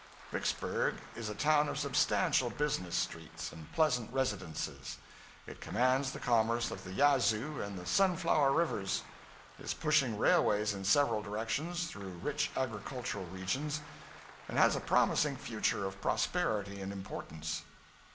Vicksburg is a town of substantial business streets and pleasant residences; it commands the commerce of the Yazoo and Sunflower Rivers; is pushing railways in several directions, through rich agricultural regions, and has a promising future of prosperity and importance.